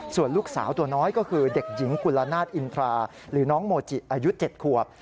ส่วนลูกสาวตัวน้อยก็คือเด็กหญิงกุลนาศอินทราหรือน้องโมจิอายุ๗ขวบ